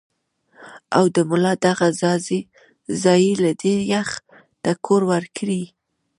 او د ملا دغه ځائے له دې يخ ټکور ورکړي -